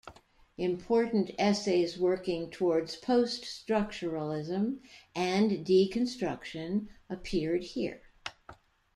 Important essays working towards post-structuralism and deconstruction appeared here.